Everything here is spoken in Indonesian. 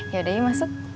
yaudah yuk masuk